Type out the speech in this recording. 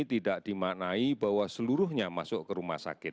tidak dimaknai bahwa seluruhnya masuk ke rumah sakit